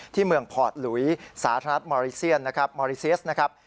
ที่เมืองพอร์ตหลุยสหรัฐมอริเซียนนะครับมอริเซียสนะครับ